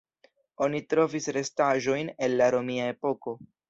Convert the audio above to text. Oni trovis restaĵojn el la romia epoko.